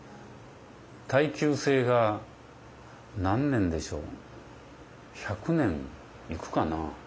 耐久性が何年でしょう１００年いくかな？